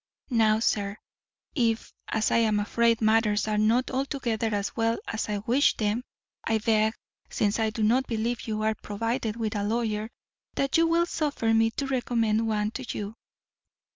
Now, sir, if, as I am afraid, matters are not altogether as well as I wish them, I beg, since I do not believe you are provided with a lawyer, that you will suffer me to recommend one to you.